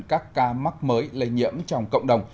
các ca mắc mới lây nhiễm trong cộng đồng